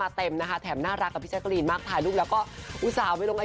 แอบไปทำอะไรมาหรือเปล่าหล่อนะ